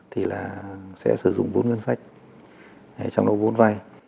thì là sẽ sử dụng vốn ngân sách trong đó vốn vay